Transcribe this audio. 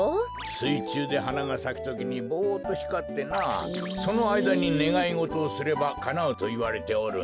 すいちゅうではながさくときにぼっとひかってなあそのあいだにねがいごとをすればかなうといわれておるんじゃ。